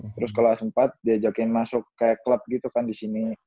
terus kalau sempat diajakin masuk kayak klub gitu kan di sini